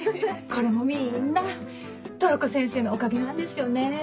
これもみんなトラコ先生のおかげなんですよね。